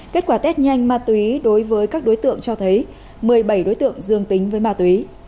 kết quả test nhanh ma túy đối với các đối tượng cho thấy một mươi bảy đối tượng dương tính với ma túy